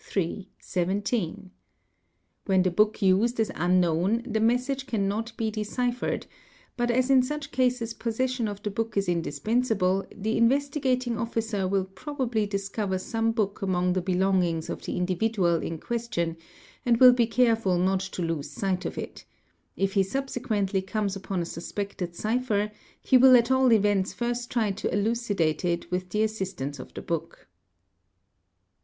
_ When the book used is unknown the message cannot be deciphered, but as in such cases possession of the book is indispensable, the Investigating Officer will probably discover some book among the belongings of the individual in question and will be careful not to lose sight of it; if he ' subsequently comes upon a suspected cipher he will at all events first try 7 to elucidate it with the assistance of the book.